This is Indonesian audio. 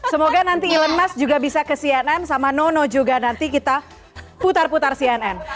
semoga nanti elon musk juga bisa ke cnn sama nono juga nanti kita putar putar cnn